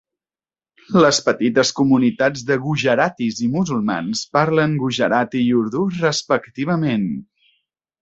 Les petites comunitats de gujaratis i musulmans parlen gujarati i urdu, respectivament.